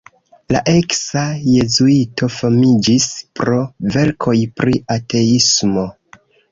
La eksa jezuito famiĝis pro verkoj pri ateismo.